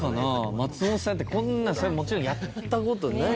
松本さんだってこんなもちろんやったことない。